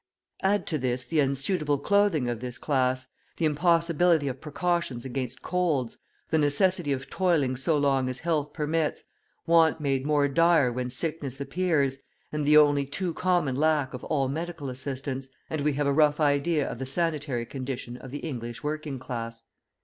Add to this, the unsuitable clothing of this class, the impossibility of precautions against colds, the necessity of toiling so long as health permits, want made more dire when sickness appears, and the only too common lack of all medical assistance; and we have a rough idea of the sanitary condition of the English working class.